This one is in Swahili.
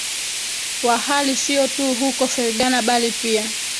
wa hali sio tu huko Fergana bali pia